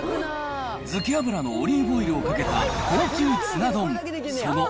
漬け油のオリーブオイルをかけた高級ツナ丼。